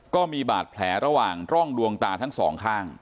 ก็มีบาดแผลระหว่างร่องดวงตาทั้งสองข้าง